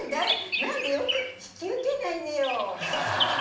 何でよく引き受けないでよ！